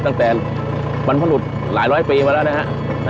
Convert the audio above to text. ตั้งแต่บรรพรุษหลายร้อยปีมาแล้วนะฮะ